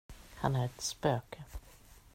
Han är ett spöke.